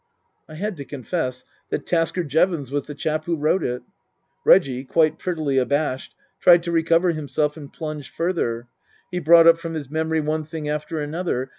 I had to confess that Tasker Jevons was the chap who wrote it. Reggie, quite prettily abashed, tried to recover himself and plunged further. He brought up from his memory one thing after another.